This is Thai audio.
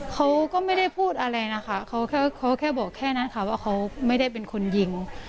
เขาก็ไม่ได้พูดอะไรนะคะเขาแค่เขาแค่บอกแค่นั้นค่ะว่าเขาไม่ได้เป็นคนยิง